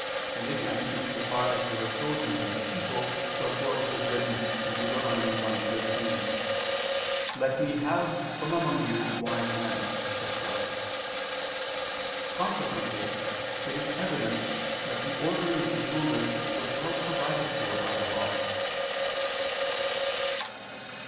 and, again, in so far as they were chosen by the people; wherefore it is written (Deut. 1:13): "Let me have from among you wise [Vulg.: 'able'] men," etc. Consequently it is evident that the ordering of the rulers was well provided for by the Law.